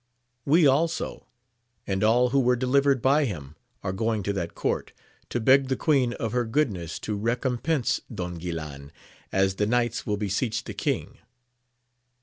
We also, and all who were delivered by him, are going to that court, to beg the queen of her goodness to recom pense Don Guilan, as the knights will beseech the king.